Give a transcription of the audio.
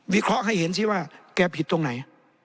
เคราะห์ให้เห็นซิว่าแกผิดตรงไหน